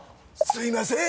すいません！